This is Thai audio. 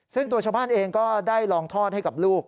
ซึ่งตัวชาวบ้านเองก็ได้ลองทอดให้กับลูก